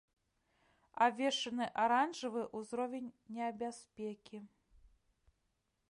Абвешчаны аранжавы ўзровень небяспекі.